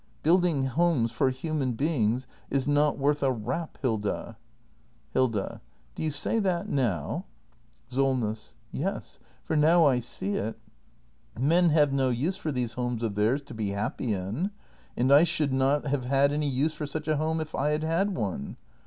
] Building homes for human beings — is not worth a rap, Hilda. Hilda. Do you say that now ? 42G THE MASTER BUILDER [act hi SOLNESS. Yes, for now I see it. Men have no use for these homes of theirs — to be happy in. And I should not have had any use for such a home, if I had had one.